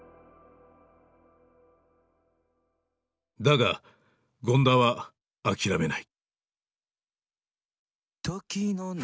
だが権田は諦めない。